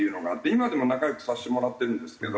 今でも仲良くさせてもらってるんですけど。